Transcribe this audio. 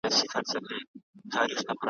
د دنیا وروستۍ شېبې وروستی ساعت دی ,